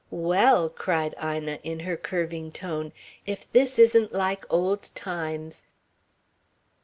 "Well!" cried Ina in her curving tone, "if this isn't like old times."